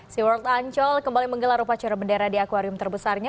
seaworld ancol kembali menggelar upacara bendera di akwarium terbesarnya